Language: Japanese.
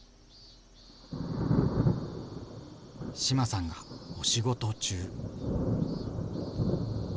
志麻さんがお仕事中。